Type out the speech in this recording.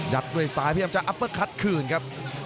ด้วยซ้ายพยายามจะอัปเปอร์คัดคืนครับ